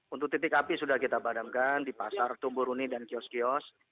untuk titik api sudah kita padamkan di pasar tumburuni dan kios kios